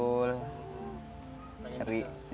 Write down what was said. kerja apa biasanya